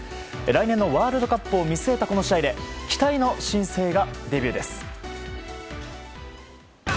来年のワールドカップを見据えたこの試合で期待の新星がデビューです。